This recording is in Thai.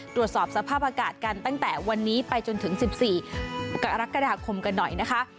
ตรวจสอบสภาพอากาศกันตั้งแต่วันนี้ไปจนถึง๑๔กรกฎาคมกันหน่อยนะคะ